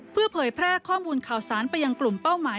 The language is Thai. เพื่อเผยแพร่ข้อมูลข่าวสารไปยังกลุ่มเป้าหมาย